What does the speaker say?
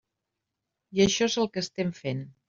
I això és el que estem fent.